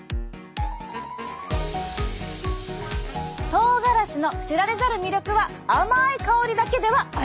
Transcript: とうがらしの知られざる魅力は甘い香りだけではありません！